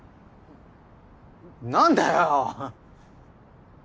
何だよ？